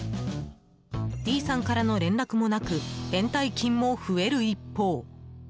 Ｄさんからの連絡もなく延滞金も増える一方。